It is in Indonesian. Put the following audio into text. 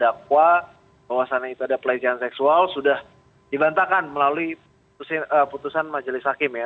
dakwa bahwasannya itu ada pelecehan seksual sudah dibantahkan melalui putusan majelis hakim ya